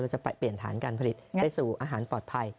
จะเปลี่ยนฐานการผลิตได้สู่อาหารปลอดภัย